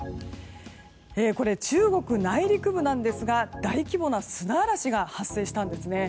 これ、中国内陸部なんですが大規模な砂嵐が発生したんですね。